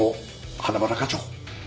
花村課長。